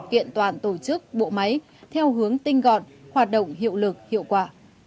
kiện toàn tổ chức bộ máy theo hướng tinh gọn hoạt động hiệu lực hiệu quả